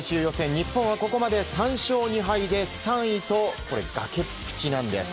日本はここまで３勝２敗で３位と崖っぷちなんです。